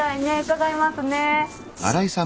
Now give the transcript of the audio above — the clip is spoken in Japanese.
伺いますね。